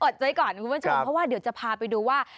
ก่อนคุณผู้ชมเพราะว่าเดี๋ยวจะพาไปดูว่า